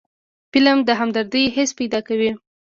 فلم د همدردۍ حس پیدا کوي